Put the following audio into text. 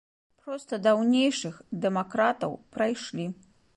Проста даўнейшых дэмакратаў прайшлі.